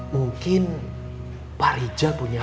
mungkin pak rijal punya anak